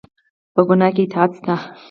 په ګناه کې اطاعت شته؟